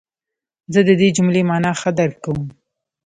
زه د دې جملې مانا ښه درک کوم.